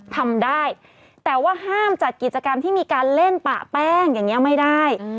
ทำได้แต่ว่าห้ามจัดกิจกรรมที่มีการเล่นปะแป้งอย่างนี้ไม่ได้